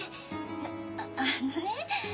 ああのね。